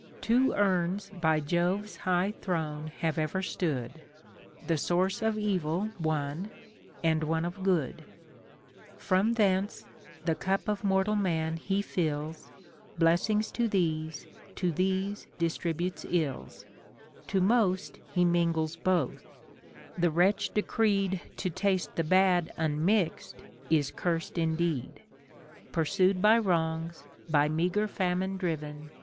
Two urns by Jove's high tlirone have ever stood, The source of evil one, and one of good ; From thence the cup of mortal man he fills, Blessings to tliese, to these distributes ills ; To most he mingles both ; the wretcli decreed To taste tlie bad unmix'd is cursed indeed ; Pursued by wrongs, by meagre famine driven.